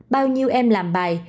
bao nhiêu em làm bài